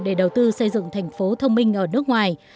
để đầu tư xây dựng thành phố thông minh ở nước ngoài